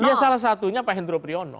dia salah satunya pak hendro priyono